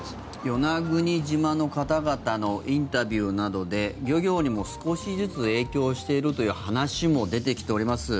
与那国島の方々のインタビューなどで漁業にも少しずつ影響しているという話も出てきております。